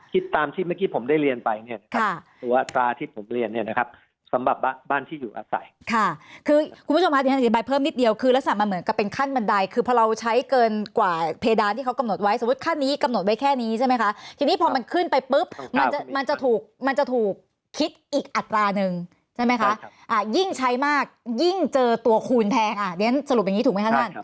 คิดตามที่เมื่อกี้ผมได้เรียนไปเนี่ยค่ะตัวอัตราที่ผมเรียนเนี่ยนะครับสำหรับบ้านที่อยู่อาศัยค่ะคือคุณผู้ชมภาคจะอธิบายเพิ่มนิดเดียวคือลักษณะเหมือนกับเป็นขั้นบันไดคือพอเราใช้เกินกว่าเพดานที่เขากำหนดไว้สมมุติขั้นนี้กำหนดไว้แค่นี้ใช่ไหมค่ะทีนี้พอมันขึ้นไปปุ๊บมันจะถูกมันจะถูก